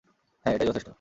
হ্যাঁ, এটাই যথেষ্ট।